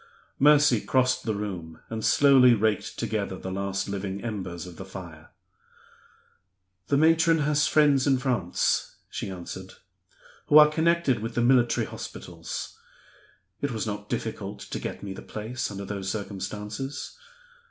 Mercy crossed the room, and slowly raked together the last living embers of the fire. "The matron has friends in France," she answered, "who are connected with the military hospitals. It was not difficult to get me the place, under those circumstances.